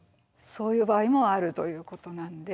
そういう場合もあるということなんで。